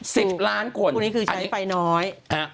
ตรงนี้คือใช้ไฟน้อย